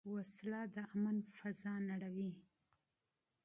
وسله د امن فضا نړوي